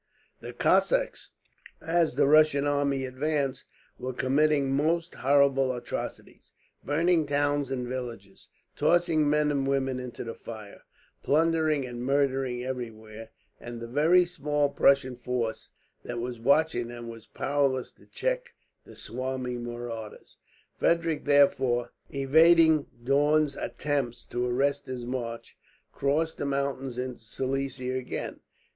The Cossacks, as the Russian army advanced, were committing most horrible atrocities; burning towns and villages, tossing men and women into the fire, plundering and murdering everywhere; and the very small Prussian force that was watching them was powerless to check the swarming marauders. Frederick therefore, evading Daun's attempts to arrest his march, crossed the mountains into Silesia again.